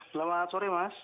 selamat sore mas